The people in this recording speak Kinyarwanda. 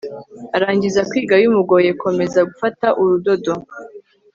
arangiza kwiga bimugoye komeza gufata urudodo